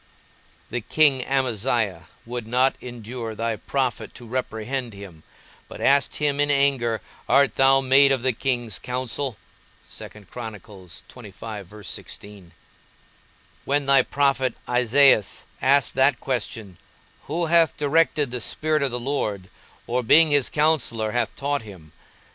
The king Amaziah would not endure thy prophet to reprehend him, but asked him in anger, Art thou made of the king's counsel? When thy prophet Esaias asks that question, _Who hath directed the spirit of the Lord, or being his counsellor, hath taught him?